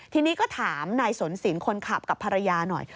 ทีนี้ก็ถามนายสนสินคนขับกับภรรยาหน่อย